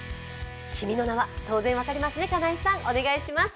君の名は、当然分かりますね、金井さん、お願いします。